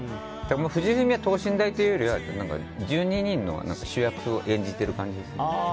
藤井フミヤ等身大というよりは１２人の主役を演じている感じですね。